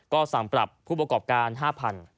ก็สั่งปรับผู้ประกอบการ๕๐๐บาท